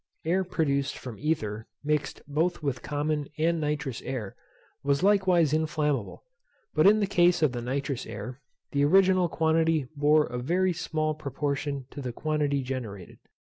Air produced from ether, mixed both with common and nitrous air, was likewise inflammable; but in the case of the nitrous air, the original quantity bore a very small proportion to the quantity generated.